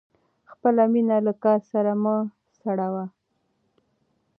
خپله مینه له کار سره مه سړوه.